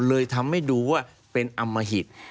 เลยทำให้ดูว่าเป็นอมหิต